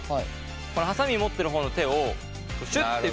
このハサミ持ってる方の手をシュッて。